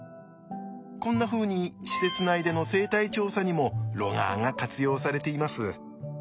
こんなふうに施設内での生態調査にもロガーが活用されています。